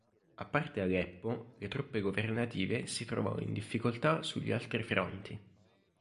A parte Aleppo, le truppe governative si trovano in difficoltà sugli altri fronti.